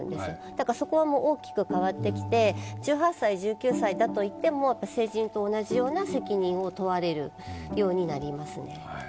だからそこは大きく変わってきて、１８歳、１９歳だとしても成人と同じような責任を問われるようになりますね。